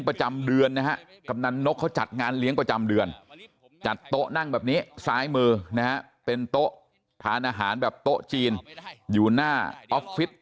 แบบนี้ซ้ายมือนะเป็นโต๊ะทานอาหารแบบโต๊ะจีนอยู่หน้าออฟฟิศ